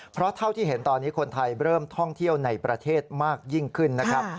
เพราะเท่าที่เห็นตอนนี้คนไทยเริ่มท่องเที่ยวในประเทศมากยิ่งขึ้นนะครับ